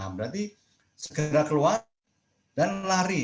berarti segera keluar dan lari